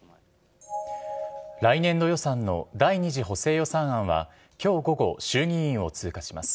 来年度予算の第２次補正予算案はきょう午後、衆議院を通過します。